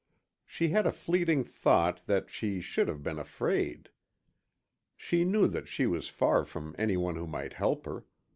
She had a fleeting thought that she should have been afraid. She knew that she was far from anyone who might help her.